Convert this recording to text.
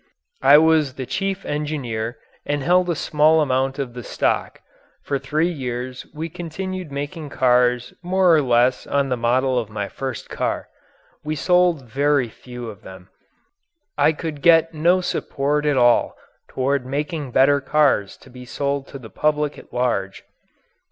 I was the chief engineer and held a small amount of the stock. For three years we continued making cars more or less on the model of my first car. We sold very few of them; I could get no support at all toward making better cars to be sold to the public at large.